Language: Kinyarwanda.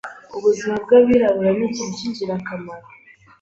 Ubuzima Bwabirabura nikintu kingirakamaro